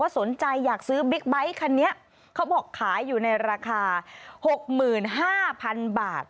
อันนี้คันนี้เขาบอกขายอยู่ในราคา๖๕๐๐๐บาท